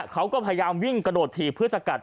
เขาก็พยายามวิ่งกระโดดถีบเพื่อสกัด